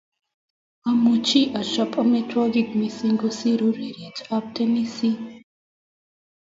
Amuchi achop amitwokik missing kosir urereitab tenesit